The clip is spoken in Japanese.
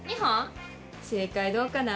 正解どうかな？